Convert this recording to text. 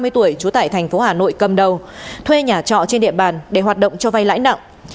ba mươi tuổi trú tại thành phố hà nội cầm đầu thuê nhà trọ trên địa bàn để hoạt động cho vay lãi nặng